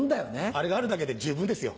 あれがあるだけで十分ですよ